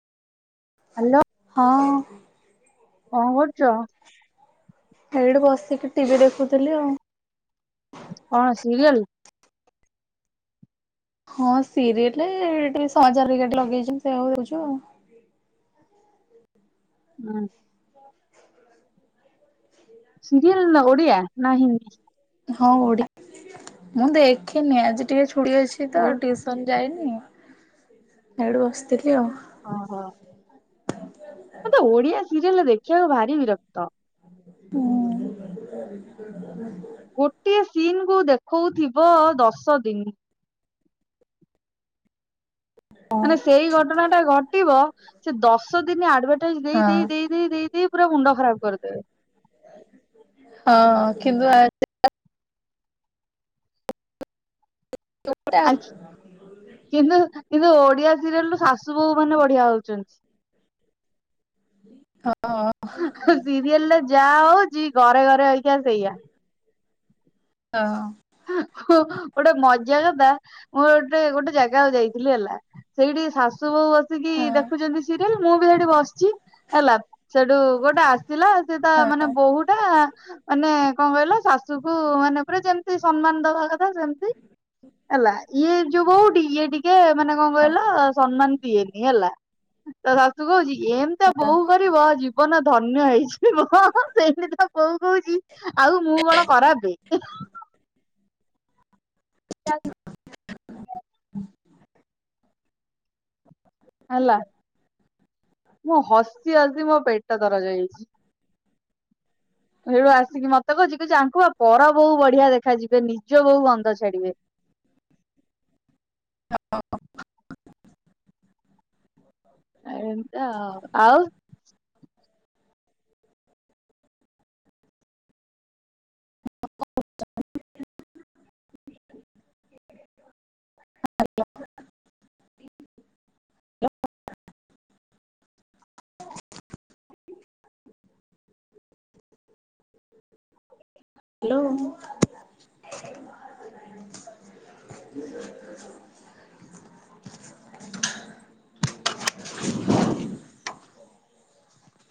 Hello ହଁ। କଣ କରୁଛ? ଏଇଠି ବସିକି ଟିଭିି ଦେଖୁଥିଲି ଆଉ। କଣ ସିରିଏଲ? ହଁ ସିରିଏଲ୍ ଟିକେ ସଜାର ଲଗେଇଛ ସେଇଆ ଟିକେ ଦେଖୁଛୁ। ହୁଁ। ସିରିୟଲ ନା ଓଡ଼ିଆ ନା ହିନ୍ଦୀ? ହଁ ଓଡ଼ିଆ ମୁଁ ଦେଖେନି ଆଜି ଟିକେ ଛୁଟି ଅଛି ତ ଟିଉସନ୍ ଯାଇନି ହେଇଠୁ ବସିଥିଲି। ଆଉ ଓହୋ ମତେ ଓଡିଆ ସିରିଏଲ୍ ଦେଖିବାକୁ ଭାରି ବିରକ୍ତ। ହଁ। ଗୋଟିଏ ସିନ୍ କୁ ଦେଖଉଥିବ ଦଶ ଦିନ। ମାନେ ହଁ। ସେଇ ଘଟଣା ଟା ଘଟିବ ସେ ଦଶ ଦିନ ଆଡଭାଟାଇଜ୍ ଦେଇ ଦେଇେ ଦେଇ ଦେଇ ଦେଇ ଦେଇ ପୁରା ମୁଣ୍ଡ ଖରାପ କରିଦେବେ। ହଁ କିନ୍ତୁ ଆଜି କାଲି ଓଲଟା ଆଉ। ଆଖି କିନ୍ତୁ କିନ୍ତୁ ଓଡିଆ ସିରିଏଲ୍ ରୁ ଶାଶୁ ବୋଉ ମାନେ ବଢିଆ ହଉଛନ୍ତି। ହଁ ହଁ ହା ହା ସିରିଏଲରେ ଯାହା ହୋଉଚି ଘରେ ଘରେ ହେରିକା ସେଇଆ। ହଁ। ହଁ ଗୋଟେ ମଜା କଥା ମୁଁ ଗୋଟେ ଗୋଟେ ଜାଗାକୁ ଯାଇଥିଲି ହେଲା ସେଇଠି ଶାଶୁ ଶୁ ବୋହୁ ବସିକି ହଁ ହଁ ଦେଖୁଛନ୍ତି ସିରିଏଲ ମୁଁ ବି ହେଠି ବସିଛି ହେଲା ସେଠୁ ଗୋଟେ ଥିଲା ସେ ତା ମାନେ ବୋହୁଟା ମାନେ କଣ କହିଲ ଶାଶୁ କୁ ମାନେ ପୂରା ଯେମତି ତି ସମ୍ମାନ ଦବା କଥା ସେମତି ହେଲା ଇଏ ଯୋଉ ବୋହୁଟି ଇଏ ଟିକେ ମାନେ କଣ କହିଲ ସମ୍ମାନ ଦିଏନି ହେଲା ତା ଶାଶୁ କହୁଛି ଏମିତିଆ ବୋହୁ କରିବ ଜୀବନ ଧନ୍ୟ ହେଇଯିବ। ସେମତି ତ ବୋହୁ କହୁଛି ଆଉ ମୁଁ କଣ ଖରାପେ? ଚା ହୁଁ ହେଲା ମୁଁ ହସି ହସି ମୋ ପେଟ ଦରଜ ହେଇଛି। ହଁ ସିଆଡୁ ଆସିକି ମତେ କହୁଛି ୟାଙ୍କୁ ବା ପର ବୋହୁ ବଢିଆ ଦେଖାଯିବେ ନିଜ ବୋହୁ ଗନ୍ଧ ଛାଡିବେ। ହଁ [unintelligible] ଏମିତିଆ ଆଉ। କଣ କରୁଚ? ଆଜ୍ଞା। ହ୍ୟାଲୋ। ହଁ। ଆ ହଁ